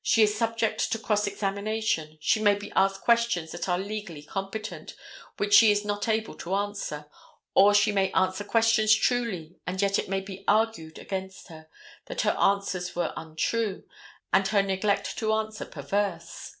She is subject to cross examination. She may be asked questions that are legally competent, which she is not able to answer, or she may answer questions truly, and yet it may be argued against her that her answers were untrue, and her neglect to answer perverse.